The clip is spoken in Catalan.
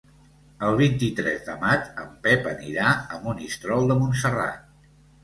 El vint-i-tres de maig en Pep anirà a Monistrol de Montserrat.